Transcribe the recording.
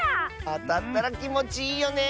あたったらきもちいいよね！